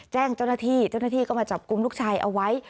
แจ้งเจ้าหน้าที่เจ้าหน้าที่ก็มาจับกลุ่มลูกชายเอาไว้